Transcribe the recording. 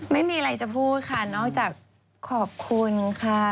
ไม่มีอะไรจะพูดค่ะนอกจากขอบคุณค่ะ